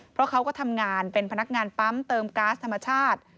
เพราะเขาก็ทำงานเป็นพนักงานปั๊มเติมก๊าซธรรมชาติ